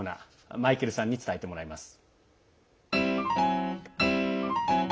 マイケルさんに伝えてもらいます。